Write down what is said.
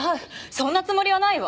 そんなつもりはないわ！